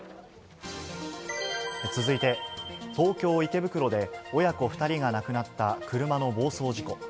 続いて、東京・池袋で親子２人が亡くなった車の暴走事故。